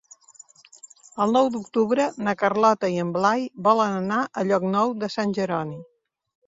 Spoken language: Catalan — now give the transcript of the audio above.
El nou d'octubre na Carlota i en Blai volen anar a Llocnou de Sant Jeroni.